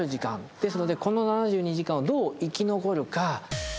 ですのでこの７２時間をどう生き残るか。